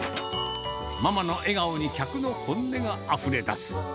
ママの笑顔に客の本音があふれ出す。